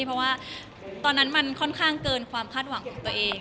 เพราะว่าตอนนั้นมันค่อนข้างเกินความคาดหวังของตัวเอง